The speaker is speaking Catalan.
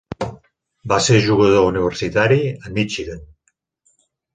Va ser jugador universitari a Michigan.